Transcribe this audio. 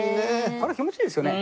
気持ちいいですよね。